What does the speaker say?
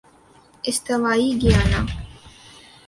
استوائی Guyana